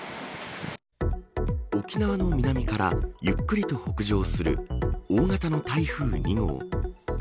沖縄の南からゆっくりと北上する大型の台風２号。